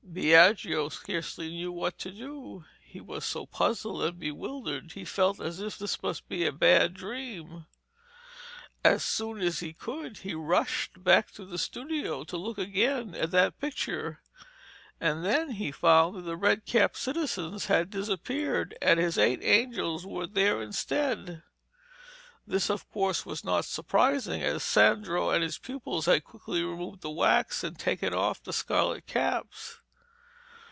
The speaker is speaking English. Biagio scarcely knew what to do. He was so puzzled and bewildered he felt as if this must be a bad dream. As soon as he could, he rushed back to the studio to look again at that picture, and then he found that the red capped citizens had disappeared, and his eight angels were there instead. This of course was not surprising, as Sandro and his pupils had quickly removed the wax and taken off the scarlet caps.